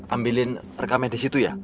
ambilin rekam medis itu ya